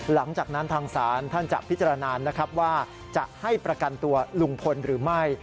หลังจากนั้นทางศาลท่านจะพิจารณานะครับว่าจะให้ประกันตัวลุงพลหรือไม่